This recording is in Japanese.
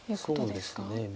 そうですね。